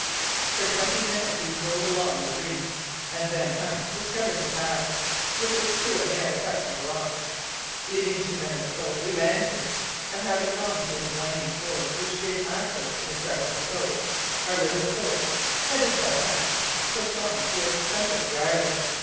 For twenty minutes we rowed along the reef, and then Hunt discovered the pass, which was through a narrow cut in the rocks. Leaving two men in the boat, we landed, and having gone through the winding gorge which gave access to the crest of the coast, our little force, headed by Hunt, pushed on towards the centre of the island.